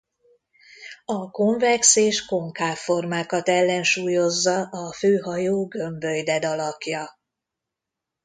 A konvex és konkáv formákat ellensúlyozza a főhajó gömbölyded alakja.